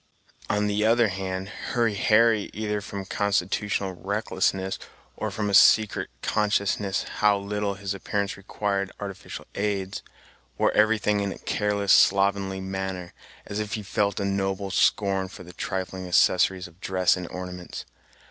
On the other hand, Hurry Harry, either from constitutional recklessness, or from a secret consciousness how little his appearance required artificial aids, wore everything in a careless, slovenly manner, as if he felt a noble scorn for the trifling accessories of dress and ornaments.